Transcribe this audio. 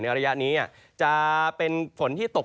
ระยะนี้จะเป็นฝนที่ตก